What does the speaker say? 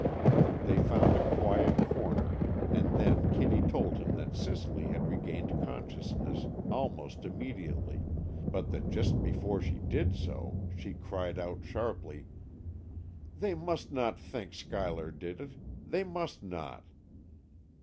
They found a quiet corner, and then Kitty told him that Cicely had regained consciousness almost immediately, but that just before she did so, she cried out sharply, "They must not think Schuyler did it! They must not!"